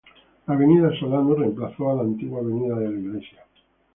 La Avenida Solano reemplazó a la antigua Avenida de la Iglesia.